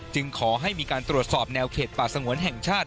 ขอให้มีการตรวจสอบแนวเขตป่าสงวนแห่งชาติ